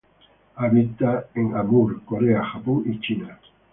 Habita en Amur, Corea, Japón y China.